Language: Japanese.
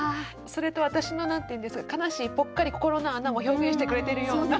それと私の何て言うんですか悲しいぽっかり心の穴も表現してくれてるような。